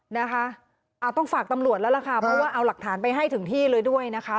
นะคะต้องฝากตำรวจแล้วล่ะค่ะเพราะว่าเอาหลักฐานไปให้ถึงที่เลยด้วยนะคะ